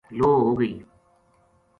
لو ہو گئی